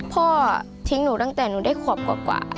พ่อทิ้งหนูตั้งแต่หนูได้ขวบกว่า